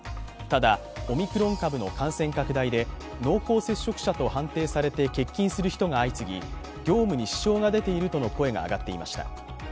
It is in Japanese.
ただオミクロン株の感染拡大で濃厚接触者と判定されて欠勤する人が相次ぎ、業務に支障が出ているとの声が上がっていました。